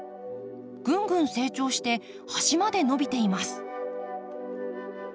ぐんぐん成長して端まで伸びています。